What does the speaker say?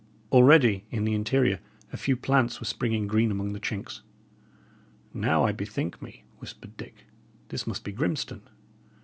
Already in the interior a few plants were springing green among the chinks. "Now I bethink me," whispered Dick, "this must be Grimstone.